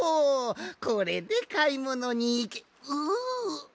これでかいものにいけウウッ！